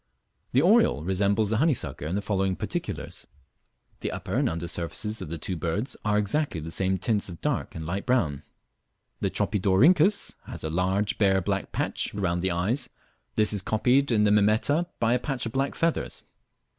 The oriole resembles the honeysucker in the following particulars: the upper and under surfaces of the two birds are exactly of the same tints of dark and light brown; the Tropidorhynchus has a large bare black patch round the eyes; this is copied in the Mimeta by a patch of black feathers.